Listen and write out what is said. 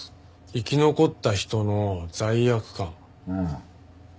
生き残った人の罪悪感ですよね？